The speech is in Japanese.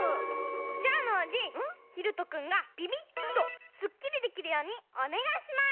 じゃあノージーひろとくんがビビッとスッキリできるようにおねがいします！